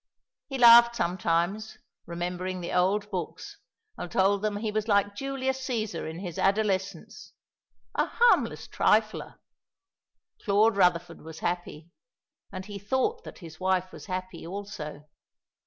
He laughed sometimes, remembering the old books, and told them he was like Julius Cæsar in his adolescence, a "harmless trifler." Claude Rutherford was happy; and he thought that his wife was happy also.